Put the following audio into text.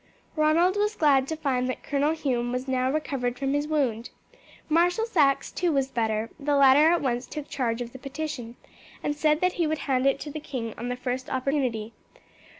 Ronald was glad to find that Colonel Hume was now recovered from his wound. Marshal Saxe too was better; the latter at once took charge of the petition, and said that he would hand it to the king on the first opportunity.